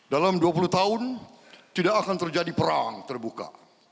dalam dua puluh tahun tidak akan terjadi perang terbuka